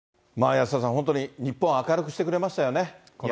安田さん、本当に日本を明るくしてくれましたよね。